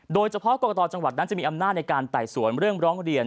โดยเฉพาะกรกตจังหวัดนั้นจะมีอำนาจในการไต่สวนเรื่องร้องเรียน